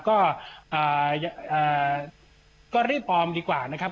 ก็รีบออมดีกว่านะครับ